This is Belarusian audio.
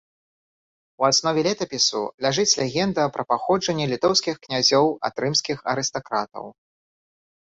У аснове летапісу ляжыць легенда пра паходжанне літоўскіх князёў ад рымскіх арыстакратаў.